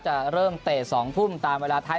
จะเริ่มเตะ๒ทุ่มตามเวลาไทย